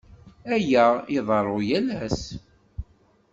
Aya iḍerru yal ass.